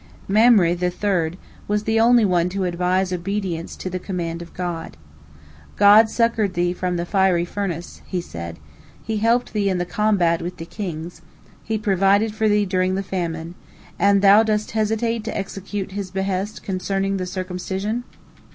Mamre, the third, was the only one to advise obedience to the command of God. "God succored thee from the fiery furnace," he said, "He helped thee in the combat with the kings, He provided for thee during the famine, and thou dost hesitate to execute His behest concerning the circumcision?"